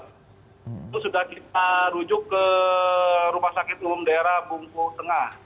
itu sudah kita rujuk ke rumah sakit umum daerah bungku tengah